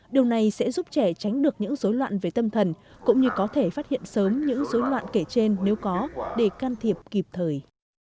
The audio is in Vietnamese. điều này sẽ giúp trẻ tránh được những dối loạn về tâm thần cũng như có thể phát hiện sớm những dối loạn kể trên nếu có để can thiệp kịp thời